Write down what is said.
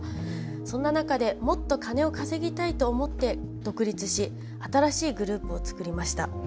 そんな中でもっと金を稼ぎたいと思って独立し新しいグループを作りました。